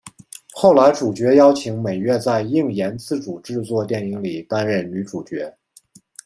后来主角邀请美月在映研自主制作电影里担任女主角。